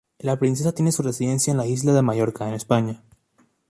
La princesa tiene su residencia en la isla de Mallorca, en España.